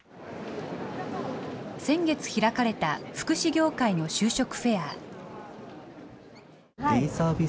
先月開かれた福祉業界の就職フェア。